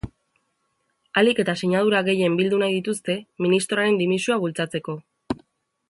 Ahalik eta sinadura gehien bildu nahi dituzte ministroaren dimisioa bultzatzeko.